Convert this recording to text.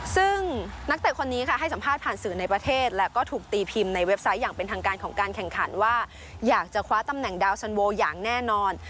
ซึ่งนักเตะคนนี้ค่ะให้สัมภาษณ์ผ่านสื่อในประเทศและก็ถูกตีพิมพ์ในเว็บไซต์อย่างเป็นทางการของการแข่งขันว่าอยากจะคว้าตำแหน่งดาวสันโวอย่างแน่นอน